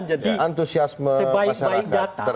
jadi sebaik baik data